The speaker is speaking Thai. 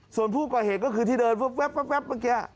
ส่วนผู้ก่อเห็ดก็คือที่เดินแว๊บแว๊บเมื่อกี๊อ่ะ